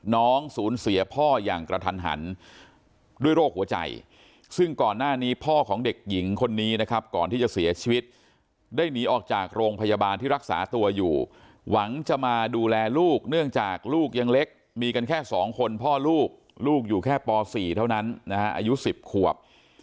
น้องศูนย์เสียพ่ออย่างกระทันหันด้วยโรคหัวใจซึ่งก่อนหน้านี้พ่อของเด็กหญิงคนนี้นะครับก่อนที่จะเสียชีวิตได้หนีออกจากโรงพยาบาลที่รักษาตัวอยู่หวังจะมาดูแลลูกเนื่องจากลูกยังเล็กมีกันแค่สองคนพ่อลูกลูกอยู่แค่ป๔เท่านั้นนะฮะอายุ๑๐ขวบ